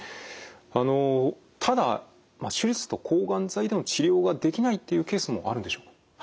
あのただ手術と抗がん剤での治療ができないっていうケースもあるんでしょうか？